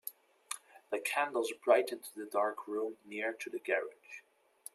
The candles brightened the dark room near to the garage.